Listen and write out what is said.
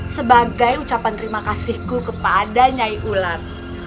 sebagai ucapan terima kasihku kepada nyai ular